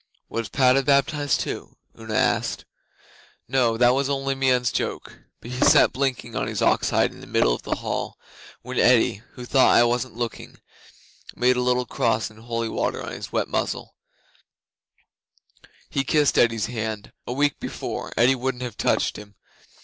'Was Padda baptized too?' Una asked. 'No, that was only Meon's joke. But he sat blinking on his ox hide in the middle of the hall. When Eddi (who thought I wasn't looking) made a little cross in holy water on his wet muzzle, he kissed Eddi's hand. A week before Eddi wouldn't have touched him.